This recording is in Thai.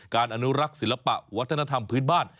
อนุรักษ์ศิลปะวัฒนธรรมพื้นบ้าน